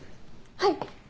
はい。